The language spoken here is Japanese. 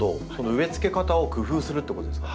植えつけ方を工夫するってことですか？